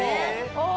ああ！